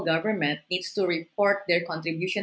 harus mengumumkan kontribusi mereka